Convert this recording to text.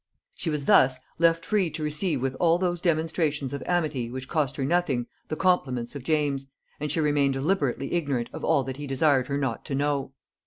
She was thus left free to receive with all those demonstrations of amity which cost her nothing the compliments of James; and she remained deliberately ignorant of all that he desired her not to know.